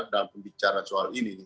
dalam pembicaraan soal ini